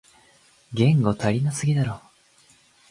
言語足りなすぎだろ